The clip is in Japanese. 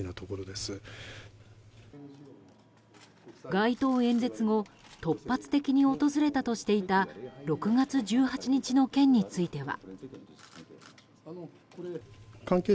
街頭演説後突発的に訪れたとしていた６月１８日の件については。